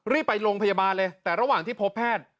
รีบไปโรงพยาบาลเลยแต่ระหว่างที่พบแพทย์